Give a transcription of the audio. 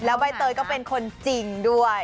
ใบเตยก็เป็นคนจริงด้วย